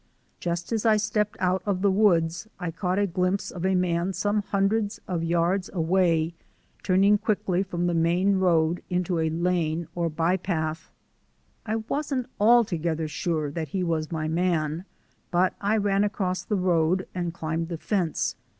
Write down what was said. Just as I stepped out of the woods I caught a glimpse of a man some hundreds of yards away, turning quickly from the main road into a lane or by path. I wasn't altogether sure that he was my man, but I ran across the road and climbed the fence.